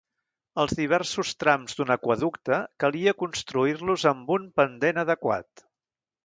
Els diversos trams d'un aqüeducte calia construir-los amb un pendent adequat.